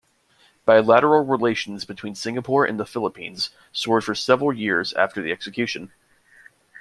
Bilateral relations between Singapore and the Philippines soured for several years after the execution.